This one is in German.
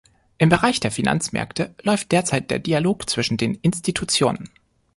Im Bereich der Finanzmärkte läuft derzeit der Dialog zwischen den Institutionen.